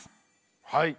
はい。